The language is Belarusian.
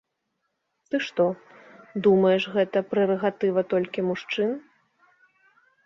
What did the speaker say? Ты што, думаеш, гэта прэрагатыва толькі мужчын?